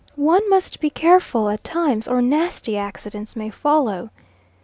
One must be careful at times, or nasty accidents may follow.